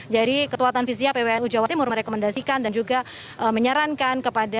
jadi ketua tanfiziah pwnu jawa timur merekomendasikan dan juga menyarankan kepada